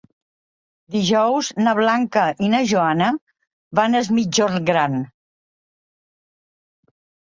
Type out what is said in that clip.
Dijous na Blanca i na Joana van a Es Migjorn Gran.